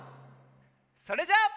それじゃあ。